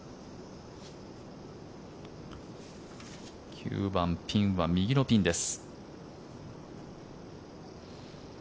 ９番、ピンは右のピンです。